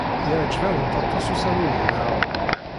Yeɛjeb-awent aṭas usaru-nni, naɣ?